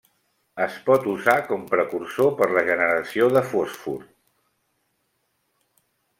Es pot usar com precursor per la generació de fòsfor.